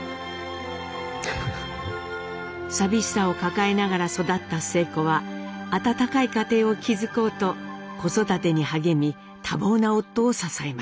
寂しさを抱えながら育った晴子は温かい家庭を築こうと子育てに励み多忙な夫を支えます。